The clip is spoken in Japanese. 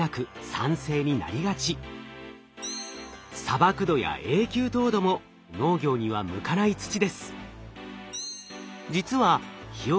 砂漠土や永久凍土も農業には向かない土です。